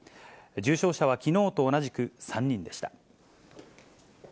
重症者はきのうと同じく３人でした。